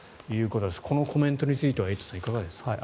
このコメントについてはエイトさん、いかがですか。